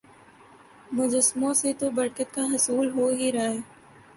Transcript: مجسموں سے تو برکت کا حصول ہو ہی رہا ہے